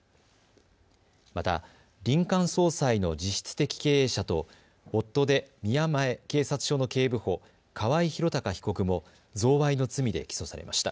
また林間葬祭の実質的経営者と夫で宮前警察署の警部補、河合博貴被告も贈賄の罪で起訴されました。